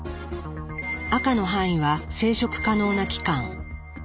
赤の範囲は生殖可能な期間。